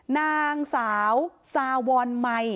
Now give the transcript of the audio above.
นางสาวสาวรมัย